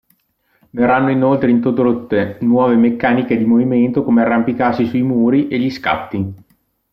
Verranno inoltre introdotte nuove meccaniche di movimento come arrampicarsi sui muri e gli scatti.